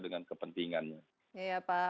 dengan kepentingannya ya pak